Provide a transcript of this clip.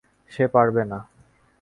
সে পারবে না।